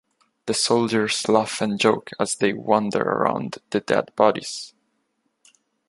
The soldiers laugh and joke as they wander around the dead bodies.